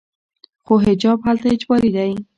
خو حجاب هلته اجباري دی.